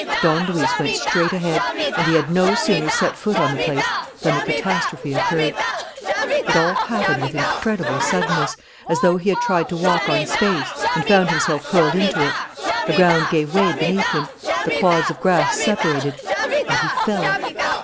Don Luis went straight ahead. And he had no sooner set foot on the place than the catastrophe occurred. It all happened with incredible suddenness, as though he had tried to walk on space and found himself hurled into it. The ground gave way beneath him. The clods of grass separated, and he fell.